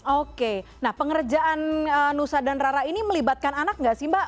oke nah pengerjaan nusa dan rara ini melibatkan anak nggak sih mbak